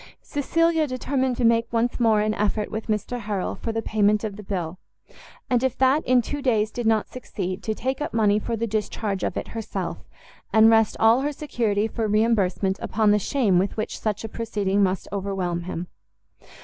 Cecilia determined to make once more an effort with Mr Harrel for the payment of the bill, and if that, in two days, did not succeed, to take up money for the discharge of it herself, and rest all her security for reimbursement upon the shame with which such a proceeding must overwhelm him.